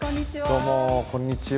どうもこんにちは。